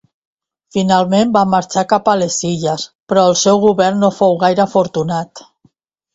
Finalment va marxar cap a les illes, però el seu govern no fou gaire afortunat.